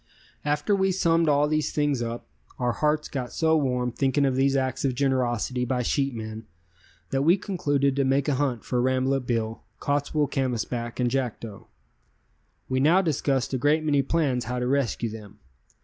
_] After we summed all these things up, our hearts got so warm thinking of these acts of generosity by sheepmen that we concluded to make a hunt for Rambolet Bill, Cottswool Canvasback and Jackdo. We now discussed a great many plans how to rescue them.